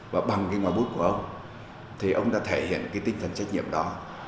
và bằng cái ngoài bút của ông thì ông đã thể hiện cái tinh thần trách nhiệm đó